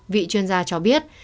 vị chuyên gia cho biết